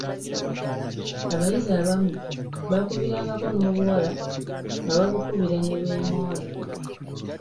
Abayizi abamu baakubirangako n’obuwala nga babukubira ne beemoola.